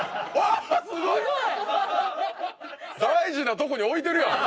大事なとこに置いてるやん。